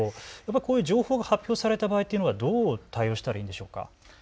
情報が発表された場合にはどう対応したらよいのでしょうか。